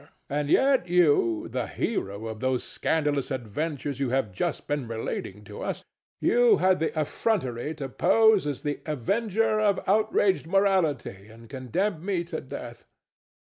And yet you, the hero of those scandalous adventures you have just been relating to us, you had the effrontery to pose as the avenger of outraged morality and condemn me to death!